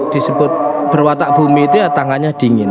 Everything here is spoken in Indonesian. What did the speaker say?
disebut berwatak bumi itu ya tangannya dingin